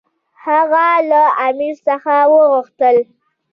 هغه له امیر څخه وغوښتل.